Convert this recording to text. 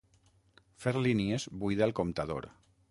Fer línies buida el comptador.